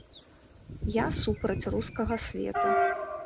Я супраць рускага свету.